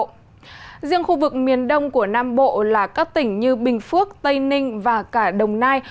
trong khu vực miền đông của nam bộ là các tỉnh như bình phước tây ninh và cả đồng nai